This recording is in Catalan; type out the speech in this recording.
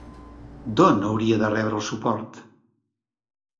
D'on hauria de rebre suport?